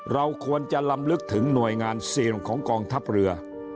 เราควรจะลำลึกถึงหน่วยงานเสี่ยงของกองทัพเรือ